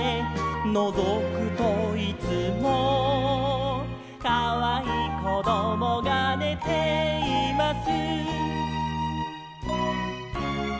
「のぞくといつも」「かわいいこどもがねています」